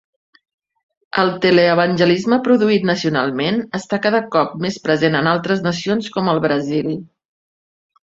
El teleevangelisme produït nacionalment està cada cop més present en altres nacions com el Brasil.